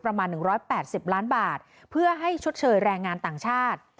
ประมาณหนึ่งร้อยแปดสิบล้านบาทเพื่อให้ชดเชยแรงงาน